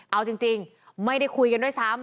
เอาจริงไม่ได้คุยกันด้วยซ้ำ